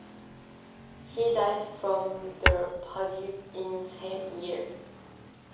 He died from the plague in the same year.